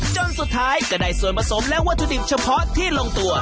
จนสุดท้ายก็ได้ส่วนผสมและวัตถุดิบเฉพาะที่ลงตัว